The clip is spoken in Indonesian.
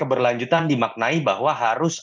keberlanjutan dimaknai bahwa harus